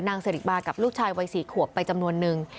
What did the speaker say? สิริบากับลูกชายวัย๔ขวบไปจำนวนนึง